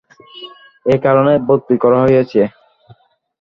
এ কারণেই বদলি করা হয়েছে।